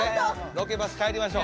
ロケバス帰りましょう。